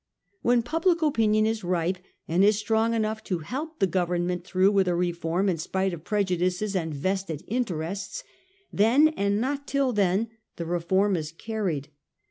"When public opinion is ripe, and is strong enough to help the Government through with a re form in spite of prejudices and vested interests, then, and not till then, the reform is carried.